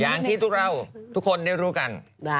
อย่างที่พวกเราทุกคนได้รู้กัน